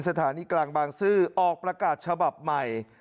สถานีกลางบางซื่อออกประกาศฉบับใหม่